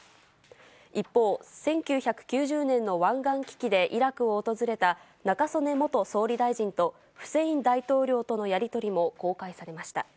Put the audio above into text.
一方、１９９０年の湾岸危機でイラクを訪れた中曽根元総理大臣とフセイン大統領とのやり取りも公開されました。